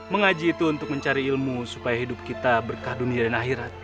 mengaji itu untuk mencari ilmu supaya hidup kita berkah dunia dan akhirat